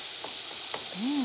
うん。